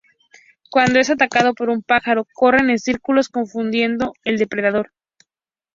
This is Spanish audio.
Cuando es atacado por un pájaro, corren en círculos, confundiendo al depredador.